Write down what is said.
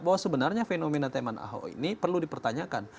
bahwa sebenarnya fenomena teman ahok ini perlu dipertanyakan